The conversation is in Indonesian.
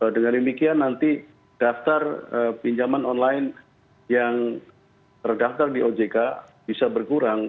dengan demikian nanti daftar pinjaman online yang terdaftar di ojk bisa berkurang